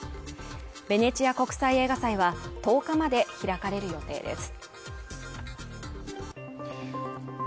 ベネチア国際映画祭は１０日まで開かれる予定です